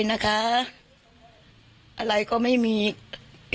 สงสันหนูเนี่ยว่าสงสันหนูเนี่ยมีกระทิแววออกได้จังไหน